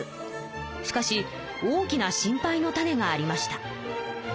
しかし大きな心配の種がありました。